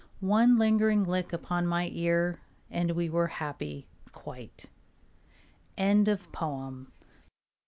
One lingering lick upon my ear And we were happy quite. ANONYMOUS.